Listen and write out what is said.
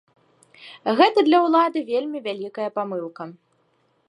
Гэта для ўлады вельмі вялікая памылка.